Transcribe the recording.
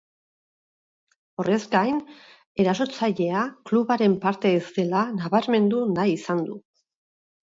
Horrez gain, erasotzailea klubaren parte ez dela nabarmendu nahi izan du.